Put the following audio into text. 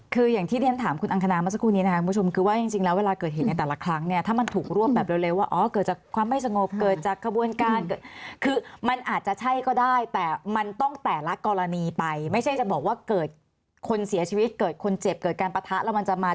คืออย่างที่เรียนถามคุณอังคณามาสักครู่นี้นะครับคุณผู้ชม